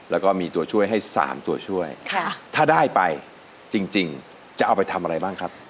แล้วก็มีตัวช่วยให้๓ตัวช่วยถ้าได้ไปจริงจะเอาไปทำอะไรบ้างครับ